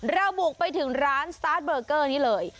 บุกไปถึงร้านสตาร์ทเบอร์เกอร์นี้เลย